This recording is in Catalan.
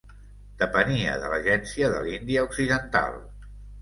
Depenia de l'agència de l'Índia Occidental.